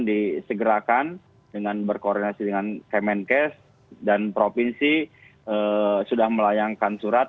disegerakan dengan berkoordinasi dengan kemenkes dan provinsi sudah melayangkan surat